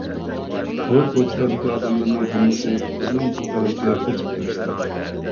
ئۇ كوچىلاردىكى ئادەملەرنىڭ ھەممىسى بىزنىڭ بۇ تەرەپكە قېچىپ كېلىشتى.